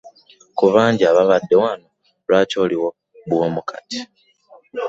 Ku bangi ababadde wano lwaki oliwo bw'omu kati?